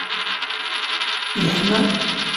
yeḥma?